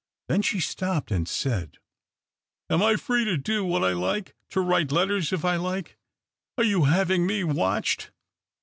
Then she stopped and said —" Am I free to do what I like — to write letters if I like ? Are you having me watched